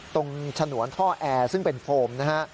ฉนวนท่อแอร์ซึ่งเป็นโฟมนะฮะ